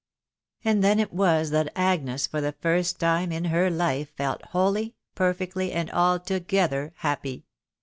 And then it was that Agnes for the first time in barns felt wholly, perfectly, and altogether happy.